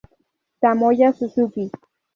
Tomoya Suzuki